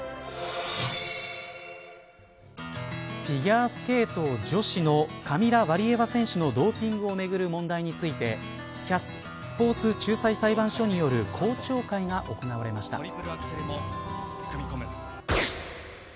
フィギュアスケート女子のカミラ・ワリエワ選手のドーピングをめぐる問題についてＣＡＳスポーツ仲裁裁判所による公聴会が行われました。